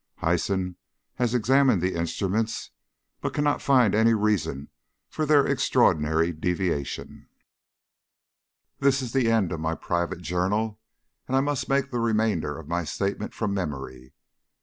Hyson has examined the instruments, but cannot find any reason for their extraordinary deviation. This is the end of my private journal, and I must make the remainder of my statement from memory.